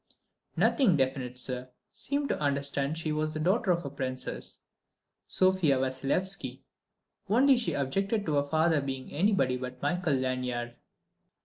"Nothing definite, sir: seemed to understand she was the daughter of Princess Sofia Vassilyevski, only she objected to her father being anybody but Michael Lanyard."